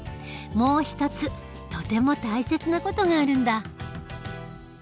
もう一つとても大切な事があるんだ。